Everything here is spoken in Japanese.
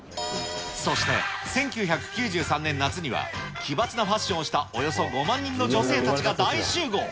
そして１９９３年夏には、奇抜なファッションをしたおよそ５万人の女性たちが大集合。